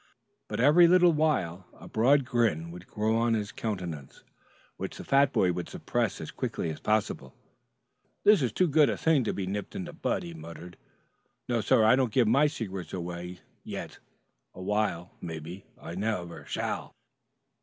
But every little while a broad grin would grow on his countenance, which the fat boy would suppress as quickly as possible. "This is too good a thing to be nipped in the bud," he muttered. "No, sir, I don't give my secrets away yet awhile. Mebby I never shall."